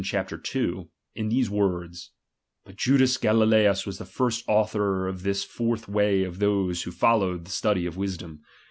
chap. 2), in these words : Bat Judas Galilceus was the first author of this fourth way of those who followed tlie study of wisdom.